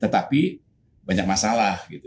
tetapi banyak masalah gitu